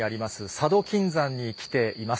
佐渡金山に来ています。